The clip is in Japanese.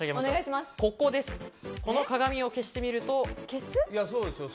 この鏡を消してみると。